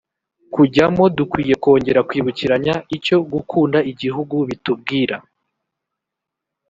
kujyamo dukwiye kongera kwibukiranya icyo gukunda igihugu bitubwira